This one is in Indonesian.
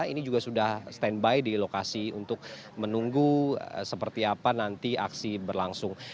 ini juga sudah standby di lokasi untuk menunggu seperti apa nanti aksi berlangsung